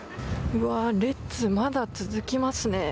列、まだ続きますね。